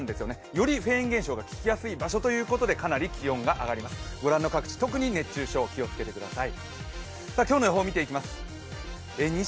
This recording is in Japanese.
よりフェーン現象がききやすい場所としてかなり気温が上がります、ご覧の各地、特に熱中症、気をつけてください。